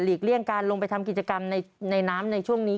เลี่ยงการลงไปทำกิจกรรมในน้ำในช่วงนี้